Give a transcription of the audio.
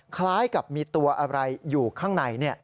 คล้ายกับมีตัวอะไรอยู่ข้างใน